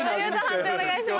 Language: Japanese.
判定お願いします。